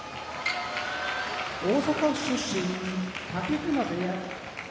大阪府出身武隈部屋